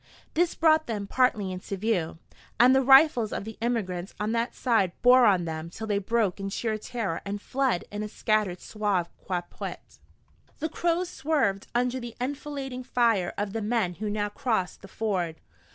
This brought them partly into view, and the rifles of the emigrants on that side bore on them till they broke in sheer terror and fled in a scattered sauve qui peut. The Crows swerved under the enfilading fire of the men who now crossed the ford.